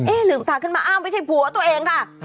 ลืมตาขึ้นมาอ้าวไม่ใช่ผัวตัวเองค่ะ